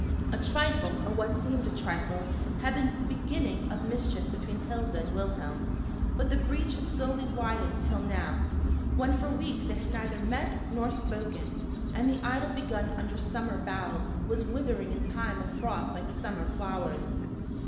A trifle, or what seemed a trifle, had been the beginning of mischief between Hilda and Wilhelm, but the breach had slowly widened till now; when for weeks they had neither met nor spoken, and the idyl begun under summer boughs was withering in time of frost like summer flowers.